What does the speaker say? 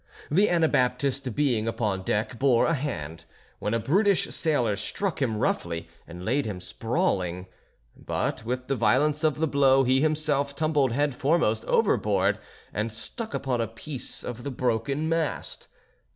The Anabaptist being upon deck bore a hand; when a brutish sailor struck him roughly and laid him sprawling; but with the violence of the blow he himself tumbled head foremost overboard, and stuck upon a piece of the broken mast.